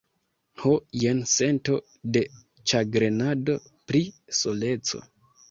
Ho, jen sento de ĉagrenado pri soleco.